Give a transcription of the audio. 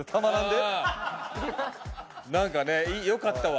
何かねよかったわ。